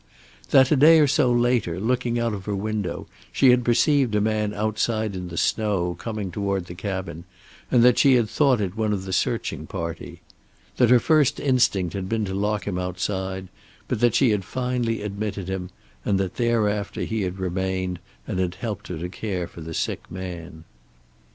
That, a day or so later, looking out of her window, she had perceived a man outside in the snow coming toward the cabin, and that she had thought it one of the searching party. That her first instinct had been to lock him outside, but that she had finally admitted him, and that thereafter he had remained and had helped her to care for the sick man.